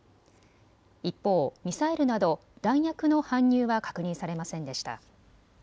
一方、ミサイルなど弾薬の搬入は確認されませんでした。